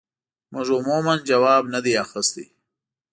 موږ عموماً ځواب نه دی اخیستی.